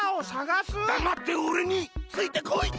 だまっておれについてこい！